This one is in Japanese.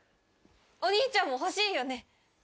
お兄ちゃんも欲しいよね？